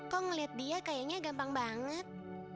kok ngeliat dia kayaknya gampang banget